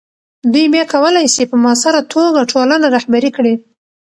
دوی بیا کولی سي په مؤثره توګه ټولنه رهبري کړي.